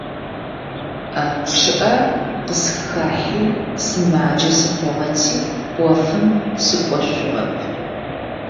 ЧъыӀэ къысхэхьи, сымаджэ сыхъугъэти Ӏофым сыкӀошъугъэп.